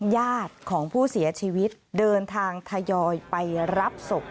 ญาติของผู้เสียชีวิตเดินทางทยอยไปรับศพ